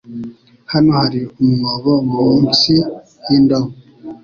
Hano hari umwobo munsi yindobo.